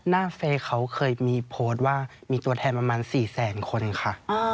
เฟย์เขาเคยมีโพสต์ว่ามีตัวแทนประมาณ๔แสนคนค่ะ